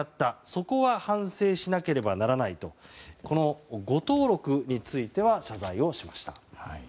そこは反省しなければならないと誤登録については謝罪をしました。